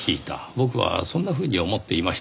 僕はそんなふうに思っていました。